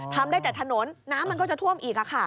ทำได้แต่ถนนน้ำมันก็จะท่วมอีก